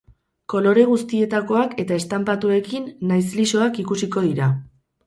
Kolore guztietakoak eta estanpatuekin nahiz lisoak ikusiko dira.